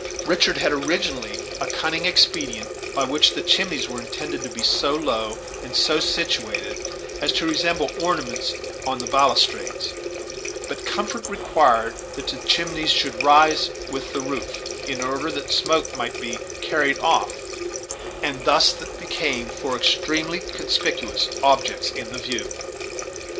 Richard had originally a cunning expedient, by which the chimneys were intended to be so low, and so situated, as to resemble ornaments on the balustrades; but comfort required that the chimneys should rise with the roof, in order that the smoke might be carried off, and they thus became four extremely conspicuous objects in the view.